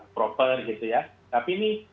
proper gitu ya tapi ini